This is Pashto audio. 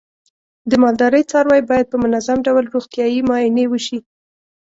د مالدارۍ څاروی باید په منظم ډول روغتیايي معاینې وشي.